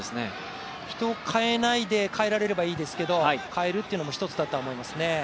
人を変えないで変えられればいいと思いますけど変えるというのも一つだと思いますね。